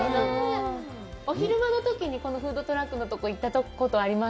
お昼間のときにフードトラックのところ行ったことあります。